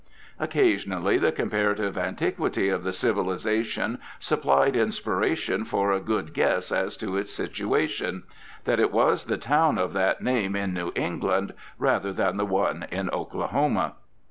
Occasionally the comparative antiquity of the civilisation supplied inspiration for a good guess as to its situation that it was the town of that name in New England rather than the one in Oklahoma.